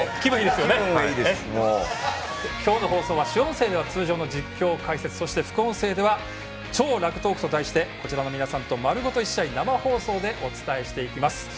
今日の放送は主音声では通常の実況・解説そして、副音声では「＃超ラグトーク」と題してこちらの皆さんと丸ごと１試合生放送でお伝えしていきます。